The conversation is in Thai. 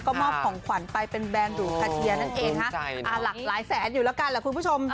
มอบของขวัญไปเป็นแบรนด์หรูคาเชียร์นั่นเองฮะหลากหลายแสนอยู่แล้วกันแหละคุณผู้ชม